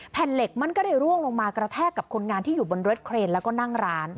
เหล็กมันก็เลยร่วงลงมากระแทกกับคนงานที่อยู่บนรถเครนแล้วก็นั่งร้าน